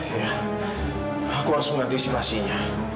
iya aku harus mengantisipasinya